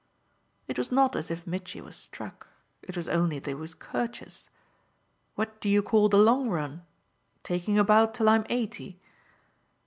It was not as if Mitchy was struck it was only that he was courteous. "What do you call the long run? Taking about till I'm eighty?"